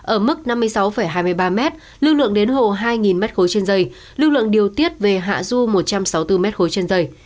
ở mức năm mươi sáu hai mươi ba m lưu lượng đến hồ hai m ba trên dây lưu lượng điều tiết về hạ du một trăm sáu mươi bốn m ba trên dây